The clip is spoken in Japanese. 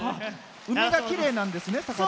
梅が、きれいなんですね。